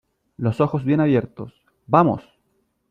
los ojos bien abiertos ,¡ vamos !